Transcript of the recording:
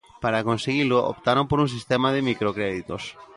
Para conseguilo optaron por un sistema de microcréditos.